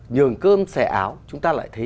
nhường cơm xẻ áo chúng ta lại thấy